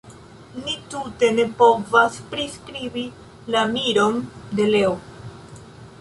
Ni tute ne povas priskribi la miron de Leo.